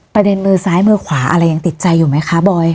มือซ้ายมือขวาอะไรยังติดใจอยู่ไหมคะบอย